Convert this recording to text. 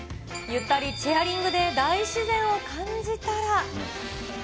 ゆったりチェアリングで大自然を感じたら。